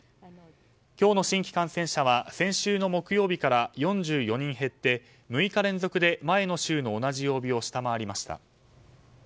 今日の新規感染者は先週の木曜日から４４人減って６日連続で前の週の同じ曜日を下回りました。